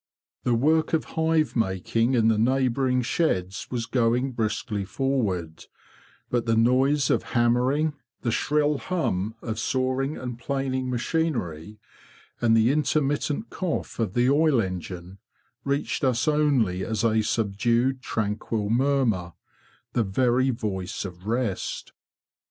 The work of hive making in the neighbour ing sheds was going briskly forward, but the noise of hammering, the shrill hum of sawing and planing THE BEE MASTER OF WARRILOW 21 machinery, and the intermittent cough of the oil engine reached us only as a subdued, tranquil murmur—the very voice of rest.